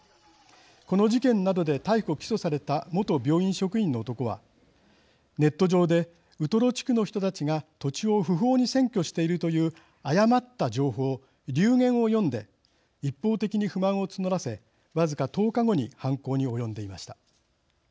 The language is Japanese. この事件などで逮捕・起訴された元病院職員の男はネット上でウトロ地区の人たちが土地を不法に占拠しているという誤った情報・流言を読んで一方的に不満を募らせ僅か１０日後に犯行に及んでいました。